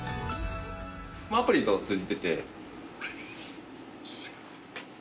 アプリと通じてて。